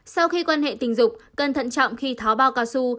sau khi quan hệ tình dục cẩn thận trọng khi tháo bao cao su